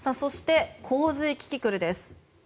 そして洪水キキクルです。